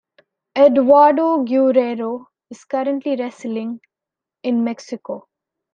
Eduardo Guerrero is currently wrestling in Mexico.